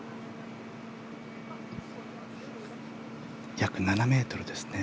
約７ｍですね。